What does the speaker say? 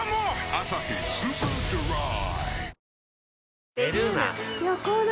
「アサヒスーパードライ」